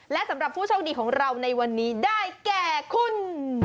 และสำหรับผู้โชคดีของเราในวันนี้ได้แก่คุณ